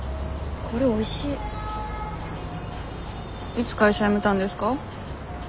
いつ会社辞めたんですか？